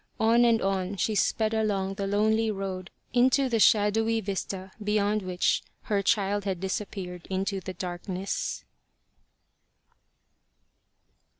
On and on she sped along the lonely road into the shadowy vista beyond which her child had disappeared into the darkness.